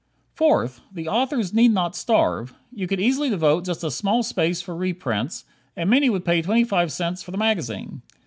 Fourth: The authors need not starve. You could easily devote just a small space for reprints, and many would pay twenty five cents for the magazine.